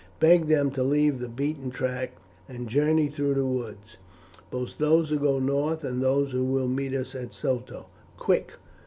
Beg them to leave the beaten tracks and journey through the woods, both those who go north and those who will meet us at Soto. Quick!